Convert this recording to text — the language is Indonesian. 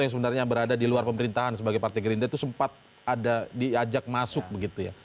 yang sebenarnya berada di luar pemerintahan sebagai partai gerindra itu sempat ada diajak masuk begitu ya